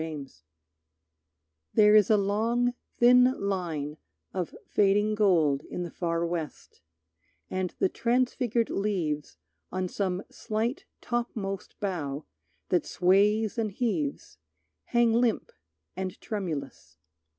Barter There is a long thin line of fading gold In the far West, and the transfigured leaves On some slight, topmost bough that sways and heaves Hang limp and tremulous.